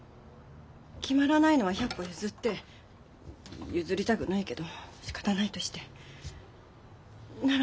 決まらないのは百歩譲って譲りたくないけどしかたないとしてなら籍はいつ入れるの？